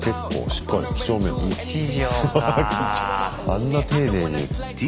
あんな丁寧に。